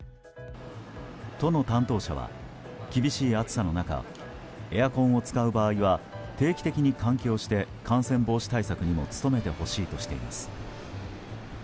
都の担当者は、厳しい暑さの中エアコンを使う場合は定期的に換気をして感染防止対策にも努めてほしいとしています。